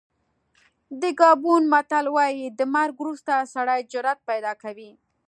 د ګابون متل وایي د مرګ وروسته سړی جرأت پیدا کوي.